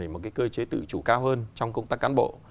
một cơ chế tự chủ cao hơn trong công tác cán bộ